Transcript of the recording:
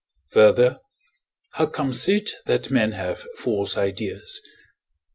Further, how comes it that men have false ideas?